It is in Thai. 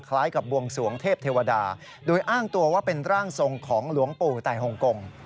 คล้ายกับบวงสวงเทพเทวดาโดยอ้างตัวว่าเป็นร่างทรงของหลวงปู่ตายฮงกง